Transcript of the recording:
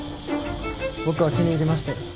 僕は気に入りましたよ。